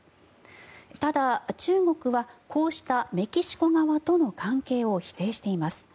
ただ、中国はこうしたメキシコ側との関係を否定しています。